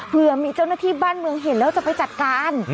เพื่อมีเจ้าหน้าที่บ้านเมืองเห็นแล้วจะไปจัดการ